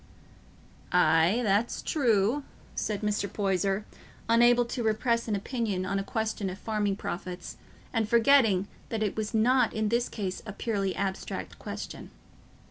"Aye, that's true," said Mr. Poyser, unable to repress an opinion on a question of farming profits, and forgetting that it was not in this case a purely abstract question.